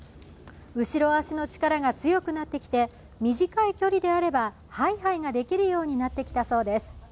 後ろ足の力が強くなってきて、短い距離であればハイハイができるようになってきたそうです。